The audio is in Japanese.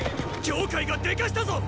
羌がでかしたぞ！